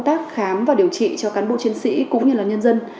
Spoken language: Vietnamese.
để tạo ra những kế hoạch khám và điều trị cho cán bộ chiến sĩ cũng như là nhân dân